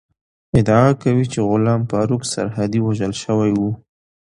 ادعا کوي چې غلام فاروق سرحدی وژل شوی ؤ